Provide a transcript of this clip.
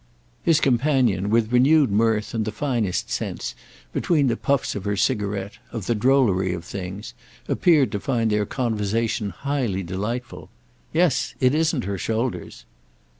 His companion, with renewed mirth and the finest sense, between the puffs of her cigarette, of the drollery of things, appeared to find their conversation highly delightful. "Yes, it isn't her shoulders."